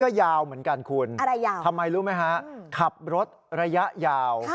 ก็ยาวเหมือนกันคุณทำไมรู้ไหมฮะขับรถระยะยาว